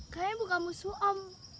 kami bukan musuh om